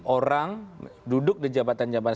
orang duduk di jabatan jabatan